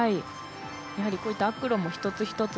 やはりこういったアクロも一つ一つ